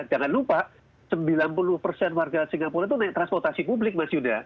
jangan lupa sembilan puluh persen warga singapura itu naik transportasi publik mas yuda